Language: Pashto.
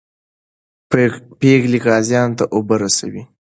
پېغلې غازیانو ته اوبه رسولې.